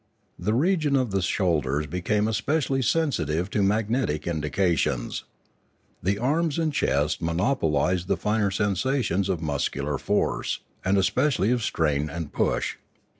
The region of the shoulders became especially sensitive to magnetic indications. The arms and chest mono oplised the finer sensations of muscular force, and es pecially of strain and push.